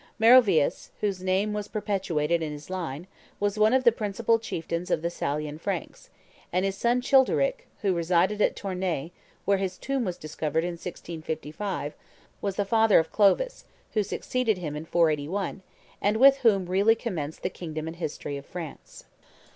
Meroveus, whose name was perpetuated in his line, was one of the principal chieftains of the Salian Franks; and his son Childeric, who resided at Tournay, where his tomb was discovered in 1655, was the father of Clovis, who succeeded him in 481, and with whom really commenced the kingdom and history of France.